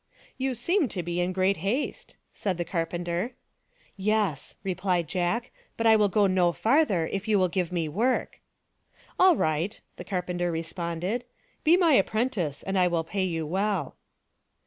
"You seem to be in great haste," said the carpenter. " Yes," replied Jack, c< but I will go no farther if you will give me work." " All right," the carpenter responded, " be my apprentice and I will pay you well."